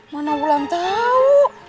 mana ulan tau